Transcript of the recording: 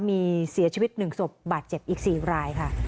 มีเสียชีวิต๑ศพบาดเจ็บอีก๔รายค่ะ